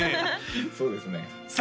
そうですねさあ